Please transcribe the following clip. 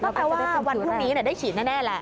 ก็แปลว่าวันพรุ่งนี้ได้ฉีดแน่แหละ